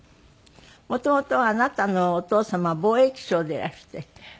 元々あなたのお父様は貿易商でいらして。